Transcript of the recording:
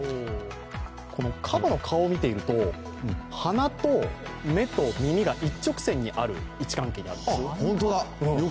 かばの顔を見ていると鼻と目と耳が一直線にある位置関係にあるんです。